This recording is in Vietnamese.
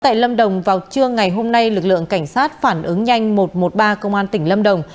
tại lâm đồng vào trưa ngày hôm nay lực lượng cảnh sát phản ứng nhanh một trăm một mươi ba công an tỉnh lâm đồng